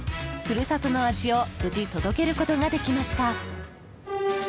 故郷の味を無事届けることができました。